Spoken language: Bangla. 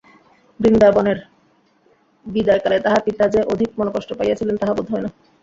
বৃন্দাবনের বিদায়কালে তাহার পিতা যে অধিক মনঃকষ্ট পাইয়াছিলেন তাহা বোধ হয় না।